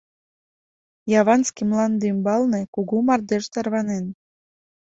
— Яванский мланде ӱмбалне кугу мардеж тарванен...